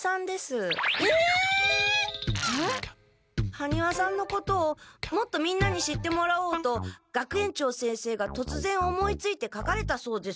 羽丹羽さんのことをもっとみんなに知ってもらおうと学園長先生がとつぜん思いついてかかれたそうです。